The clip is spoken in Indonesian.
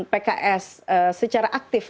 pks secara aktif